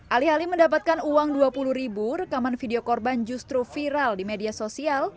alih alih mendapatkan uang dua puluh ribu rekaman video korban justru viral di media sosial